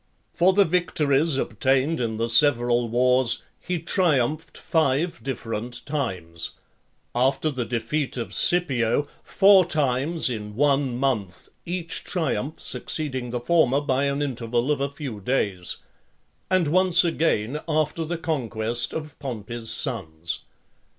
XXXVII. For the victories obtained in the several wars, he triumphed five different times; after the defeat of Scipio: four times in one month, each triumph succeeding the former by an interval of a few days; and once again after the conquest of Pompey's sons.